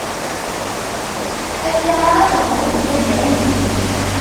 Akka ara teḍru di taggara n ddunit.